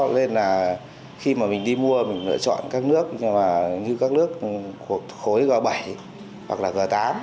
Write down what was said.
nên là khi mà mình đi mua mình lựa chọn các nước như các nước thuộc khối g bảy hoặc là g tám